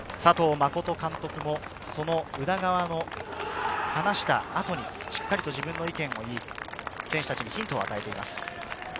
実監督も宇田川の話したあとに、しっかりと自分の意見を言い、選手たちにヒントを与えています。